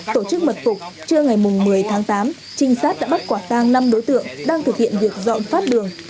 tổ chức mật phục trưa ngày một mươi tháng tám trinh sát đã bắt quả tang năm đối tượng đang thực hiện việc dọn phát đường